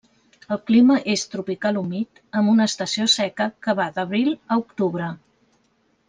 El clima és tropical humit amb una estació seca que va d'abril a octubre.